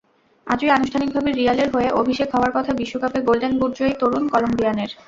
আজই আনুষ্ঠানিকভাবে রিয়ালের হয়ে অভিষেক হওয়ার কথা বিশ্বকাপে গোল্ডেন বুটজয়ী তরুণ কলম্বিয়ানের।